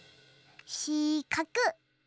しかく。